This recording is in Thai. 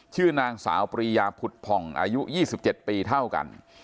ชื่อนางสาวปรียาผุดผ่องอายุ๒๗ปีเท่ากัน